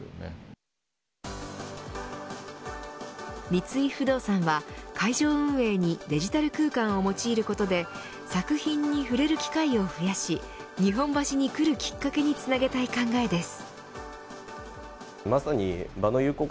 三井不動産は会場運営にデジタル空間を用いることで作品に触れる機会を増やし日本橋に来るきっかけにつなげたい考えです。